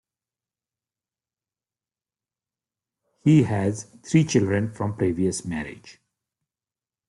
He has three children from a previous marriage.